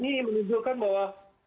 ini menunjukkan bahwa